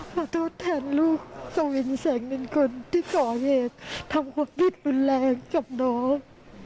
ขอโทษแทนลูกสวินแสงนินคนที่ก่อเหตุทำความผิดรุนแรงกับน้อง